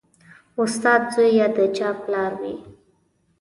استاد زوی یا د چا پلار وي